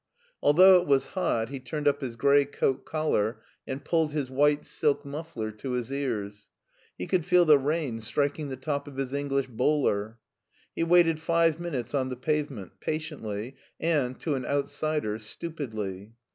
Although it was hot he turned up his gray coat collar and pulled his white silk muffler to his ears. He could feel the rain striking the top of his English bowler. He waited five minutes on the pavement, patiently and, to an out sider, stupidly.